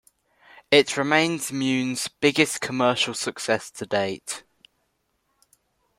It remains Mune's biggest commercial success to date.